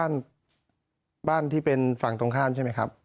บ้านบ้านที่เป็นฝั่งตรงข้ามใช่ไหมครับ